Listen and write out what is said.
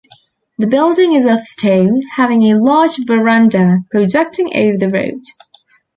The building is of stone, having a large verandah projecting over the road.